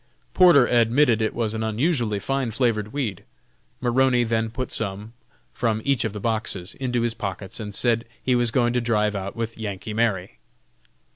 Porter admitted it was an unusually fine flavored weed. Maroney then put some, from each of the boxes, into his pockets, and said he was going to drive out with "Yankee Mary."